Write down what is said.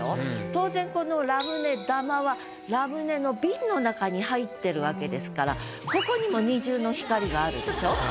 当然このラムネ玉はラムネの瓶の中に入ってるわけですからここにも二重の光があるでしょ？